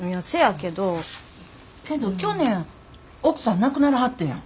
けど去年奥さん亡くなりはったやん。